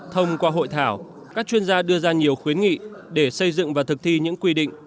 thông qua hội thảo các chuyên gia đưa ra nhiều khuyến nghị để xây dựng và thực thi những quy định